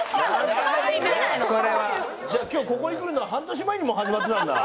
じゃあ今日ここに来るのは半年前にもう始まってたんだ。